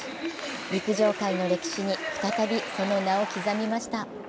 陸上界の歴史に再びその名を刻みました。